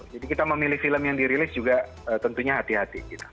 jadi kita memilih film yang dirilis juga tentunya hati hati gitu